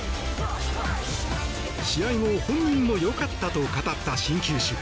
試合後本人も良かったと語った新球種。